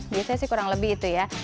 biasanya sih kurang lebih itu ya